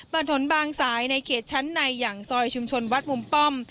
บนถนนบางสายในเขตชั้นในอย่างซอยชุมชนวัดมุมป้อม